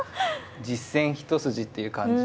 実戦一筋っていう感じで。